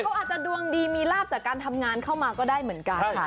เขาอาจจะดวงดีมีลาบจากการทำงานเข้ามาก็ได้เหมือนกัน